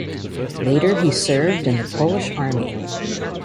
Later he served in the Polish Army.